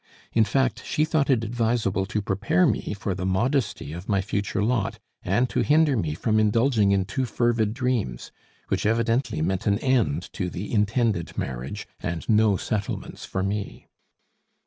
In fact, she thought it advisable to prepare me for the modesty of my future lot, and to hinder me from indulging in too fervid dreams. Which evidently meant an end to the intended marriage, and no settlements for me!"